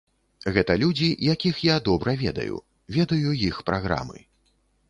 Гэта людзі, якіх я добра ведаю, ведаю іх праграмы.